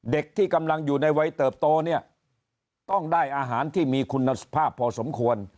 เด็กที่กำลังอยู่ในวัยเติบโตเนี่ยต้องได้อาหารที่มีคุณภาพพอสมควร